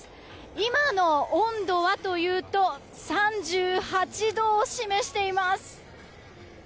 今の温度はというと３８度を示しています。